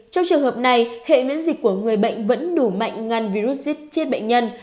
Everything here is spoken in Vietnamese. trong trường hợp này hệ miễn dịch của người bệnh vẫn đủ mạnh ngăn virus xiết bệnh nhân